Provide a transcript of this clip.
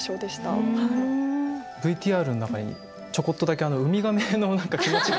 ＶＴＲの中にちょこっとだけウミガメの気持ちが。